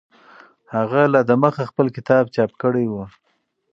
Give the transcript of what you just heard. هغه لا دمخه خپل کتاب چاپ کړی و.